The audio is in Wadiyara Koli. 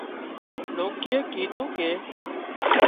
لونڪيئي ڪيڌون ڪي